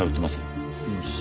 よし。